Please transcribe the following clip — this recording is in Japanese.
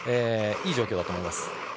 いい状況だと思います。